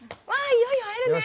いよいよ会えるね！